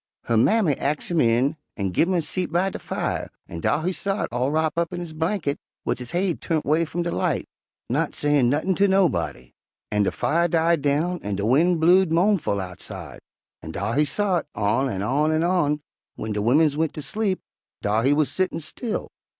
Her mammy ax him in an' gin him a seat by de fire, an' dar he sot all wrop up in his blinkit, wid his haid turnt 'way f'um de light, not sayin' nuttin' ter nob'dy. An' de fire died down an' de wind blewed mo'nful outside, an' dar he sot on an' on, an' w'en de wimmins went ter sleep, dar he wuz settin', still.